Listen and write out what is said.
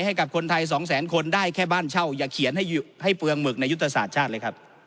ให้กับคนไทยสองแสนคนได้แค่บ้านเช่าอย่าเขียนให้เปลืองหมึกในยุทธศาสตร์ชาติเลยครับ